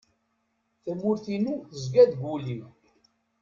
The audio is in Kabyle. Tamurt-inu tezga deg ul-iw.